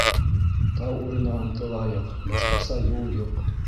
— Тау үренә ынтылайыҡ, башҡаса юл юҡ.